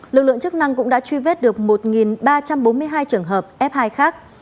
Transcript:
lực lượng chức năng cũng đã truy vết được một ba trăm bốn mươi hai trường hợp f hai khác